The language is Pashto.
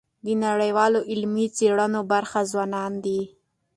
د نړیوالو علمي څيړنو برخه ځوانان دي.